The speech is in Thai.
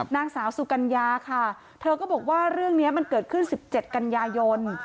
นางสาวสุกัญญาค่ะเธอก็บอกว่าเรื่องนี้มันเกิดขึ้น๑๗กันยายน